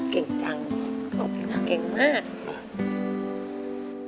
เก่งจังเก่งมาก